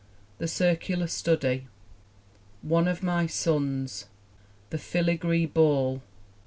The Circular Study. One of My Sons. The Filigree Ball.